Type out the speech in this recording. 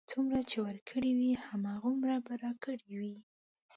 څومره چې ورکړه وي، هماغومره به راکړه وي.